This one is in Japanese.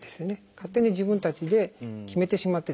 勝手に自分たちで決めてしまってですね